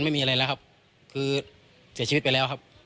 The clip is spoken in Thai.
ไม่มีอะไรแล้วครับคือเสียชีวิตไปแล้วครับ